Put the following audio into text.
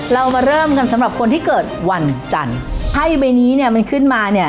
เรามาเริ่มกันสำหรับคนที่เกิดวันจันทร์ไพ่ใบนี้เนี่ยมันขึ้นมาเนี่ย